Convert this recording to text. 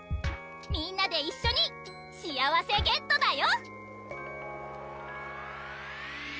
みんなで一緒に幸せゲットだよ！